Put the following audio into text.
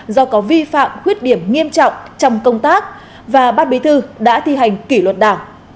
do có vi phạm khuyết điểm nghiêm trọng trong công tác và bát bí thư đã thi hành kỷ luật đảng